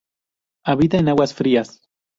Habita en aguas frías.